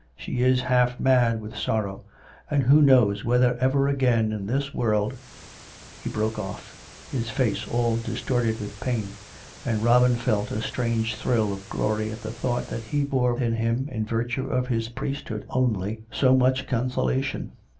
She is half mad with sorrow; and who knows whether ever again in this world " He broke off, his face all distorted with pain ; and Robin felt a strange thrill of glory at the thought that he bore with him, in virtue of his priesthood only, so much con solation.